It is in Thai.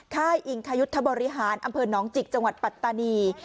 ค่ายอิงคยุทธบริหารอำเภอหนองจิกจังหวัดปัตตานี